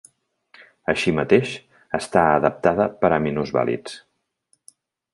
Així mateix, està adaptada per a minusvàlids.